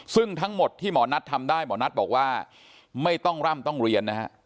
ซึ่งทั้งหมดที่หมอนัททำได้หมอนัทบอกว่าไม่ต้องร่ำต้องเรียนนะฮะ